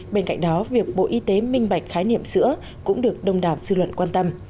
bên cạnh đó việc bộ y tế minh bạch khái niệm sữa cũng được đông đảo dư luận quan tâm